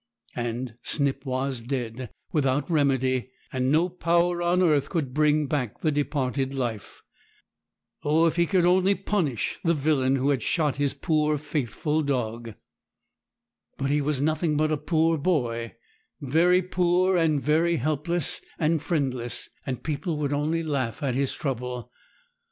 And Snip was dead, without remedy; no power on earth could bring back the departed life. Oh, if he could only punish the villain who had shot his poor faithful dog! But he was nothing but a poor boy, very poor, and very helpless and friendless, and people would only laugh at his trouble.